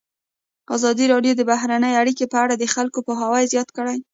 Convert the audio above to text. ازادي راډیو د بهرنۍ اړیکې په اړه د خلکو پوهاوی زیات کړی.